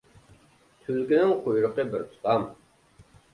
تۈلكىنىڭ قۇيرۇقى بىر تۇتام.